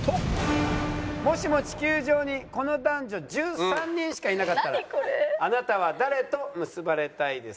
もしも地球上にこの男女１３人しかいなかったらあなたは誰と結ばれたいですか？